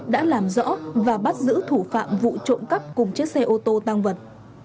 đã làm rõ và bắt giữ thủ phạm vụ trộm cắp cùng chiếc xe ô tô tăng vật